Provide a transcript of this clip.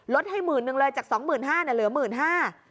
ลดให้๑๐๐๐๐บาทเลยจาก๒๕๐๐๐บาทเหลือ๑๕๐๐๐บาท